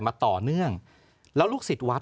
มาต่อเนื่องแล้วลูกศิษย์วัด